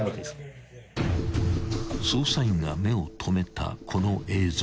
［捜査員が目をとめたこの映像］